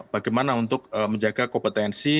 bagaimana untuk menjaga kompetensi